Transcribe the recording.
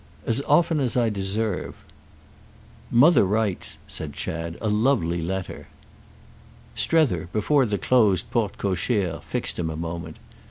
"As often as I deserve." "Mother writes," said Chad, "a lovely letter." Strether, before the closed porte cochère, fixed him a moment.